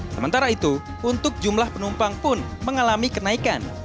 sementara itu untuk jumlah penumpang pun mengalami kenaikan